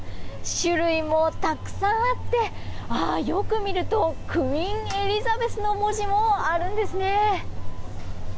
種類もたくさんあってよく見るとクイーンエリザベスの文字もあるんですね。